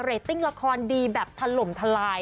ติ้งละครดีแบบถล่มทลาย